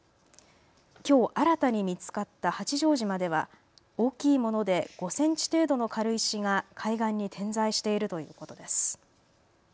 きょう新たに見つかった八丈島では、大きいもので５センチ程度の軽石が海岸に点在しているということです。